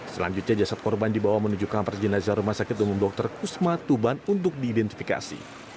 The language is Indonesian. selanjutnya jasad korban dibawa menuju kamar jenazah rumah sakit umum dr kusma tuban untuk diidentifikasi